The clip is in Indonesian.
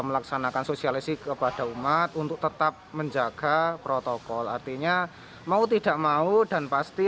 melaksanakan sosialisasi kepada umat untuk tetap menjaga protokol artinya mau tidak mau dan pasti